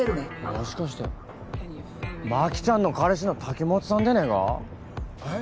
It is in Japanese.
もしかしで真紀ちゃんの彼氏の滝本さんでねぇが？えっ？